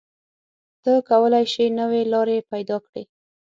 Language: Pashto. ته کولی شې نوې لارې پیدا کړې.